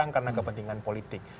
karena kepentingan politik